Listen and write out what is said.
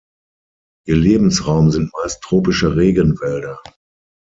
Ihr Lebensraum sind meist tropische Regenwälder.